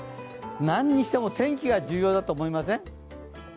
何にしても天気が重要だと思いません？